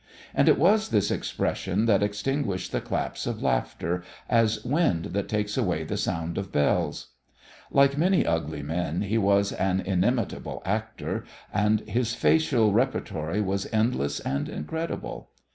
And it was this expression that extinguished the claps of laughter as wind that takes away the sound of bells. Like many ugly men, he was an inimitable actor, and his facial repertory was endless and incredible.